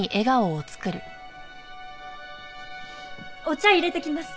お茶入れてきます。